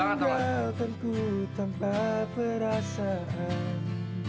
menenggalkanku tanpa perasaan